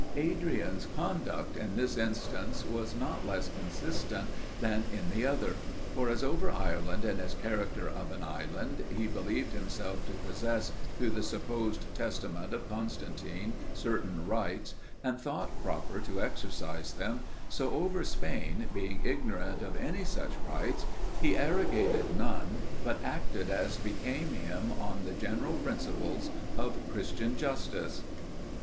Adrian's conduct in this instance, was not less consistent than in the other. For as over Ireland in its character of an island, he believed himself to possess, through the supposed testament of Constantine, certain rights, and thought proper to exercise them; so over Spain, being ignorant of any such rights, he arrogated none, but acted as became him on the general principles of Christian justice.